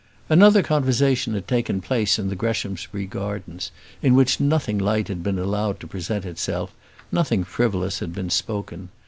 Another conversation had taken place in the Greshamsbury gardens, in which nothing light had been allowed to present itself; nothing frivolous had been spoken.